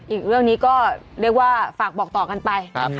อีกเรื่องนี้ก็ฝากบอกต่อกันไป